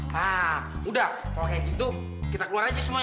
nah udah kalau kayak gitu kita keluar aja semuanya